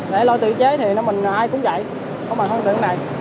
để lôi tự chế thì ai cũng chạy không bằng cái xe này